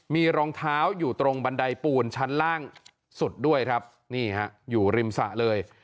มีรองเท้าอยู่ตรงบันไดปูนชั้นล่างสุดด้วยครับนี่ฮะอยู่ริมสระเลย